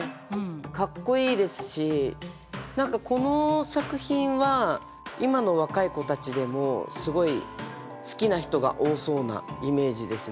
かっこいいですし何かこの作品は今の若い子たちでもすごい好きな人が多そうなイメージですね。